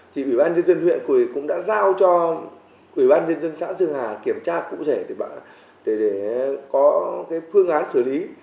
thì ubnd huyện cũng đã giao cho ubnd xã dương hà kiểm tra cụ thể để có cái phương án xử lý